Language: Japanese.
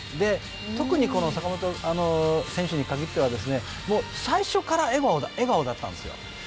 特に坂本選手に限っては最初から笑顔だったんですよ。